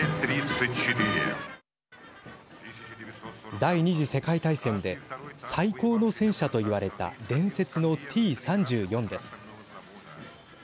第２次世界大戦で最高の戦車と言われた、伝説のＴ３４です。